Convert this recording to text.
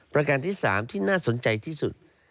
ประการที่๓ที่น่าสนใจที่สุด